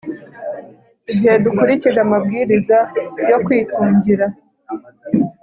Igihe dukurikije amabwiriza yo kwitungira